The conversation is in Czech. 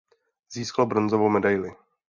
Získal bronzovou medaili.